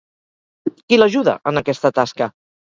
Qui l'ajuda en aquesta tasca?